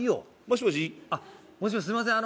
もしもしすいません